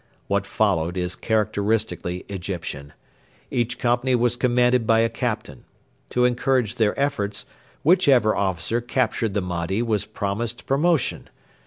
What followed is characteristically Egyptian. Each company was commanded by a captain. To encourage their efforts, whichever officer captured the Mahdi was promised promotion.